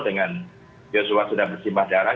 dengan joshua sudah bersimbah darah